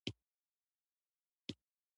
چنګلونه د افغانستان د موسم د بدلون سبب کېږي.